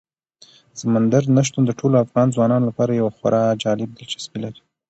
سمندر نه شتون د ټولو افغان ځوانانو لپاره یوه خورا جالب دلچسپي لري.